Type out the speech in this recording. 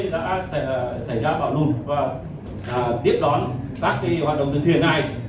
và phối hợp với các đơn vị và địa phương nơi đã xảy ra bạo lụt và tiếp đón các hoạt động từ thiện này